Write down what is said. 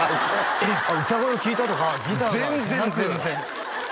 えっ歌声を聴いたとか全然全然！